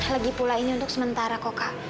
lagi pula ini untuk sementara kok kak